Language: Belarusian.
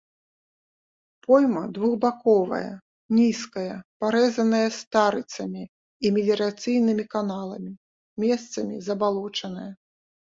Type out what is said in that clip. Пойма двухбаковая, нізкая, парэзаная старыцамі і меліярацыйнымі каналамі, месцамі забалочаная.